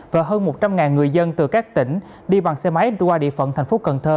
và hơn một trăm linh người dân từ các tỉnh đi bằng xe máy đi qua địa phận thành phố cần thơ